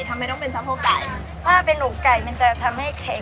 ทำไมต้องเป็นสะโพกไก่ถ้าเป็นลมไก่มันจะทำให้แข็ง